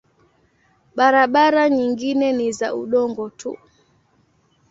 Barabara nyingine ni za udongo tu.